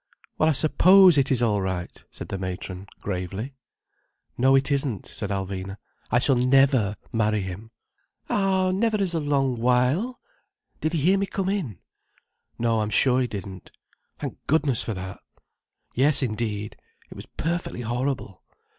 "Well, I suppose it is all right," said the matron gravely. "No it isn't," said Alvina. "I shall never marry him." "Ah, never is a long while! Did he hear me come in?" "No, I'm sure he didn't." "Thank goodness for that." "Yes indeed! It was perfectly horrible.